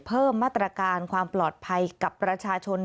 เพิ่มมาตรการความปลอดภัยกับประชาชน